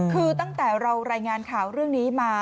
คือตั้งแต่เรารายงานข่าวเรื่องนี้มา